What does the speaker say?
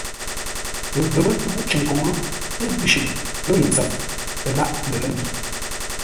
Ghəpə́ ghúʼ cər koŋə, ə́ ngʉ̌ shʉʼʉ lə́ ŋuu ntsəm, ə lâʼ lər lə̂ mbi.